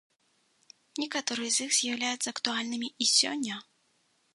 Некаторыя з іх з'яўляюцца актуальнымі і сёння.